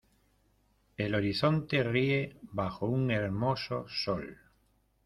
el horizonte ríe bajo un hermoso sol.